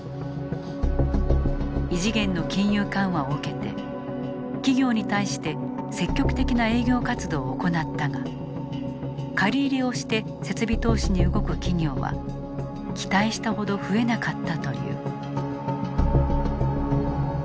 異次元の金融緩和を受けて企業に対して積極的な営業活動を行ったが借り入れをして設備投資に動く企業は期待したほど増えなかったという。